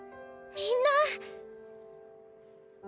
みんな！